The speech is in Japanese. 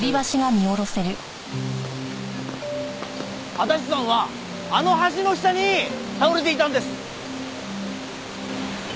足立さんはあの橋の下に倒れていたんです。